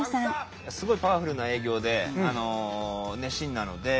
すごいパワフルな営業で熱心なので。